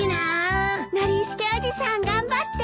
ノリスケおじさん頑張って。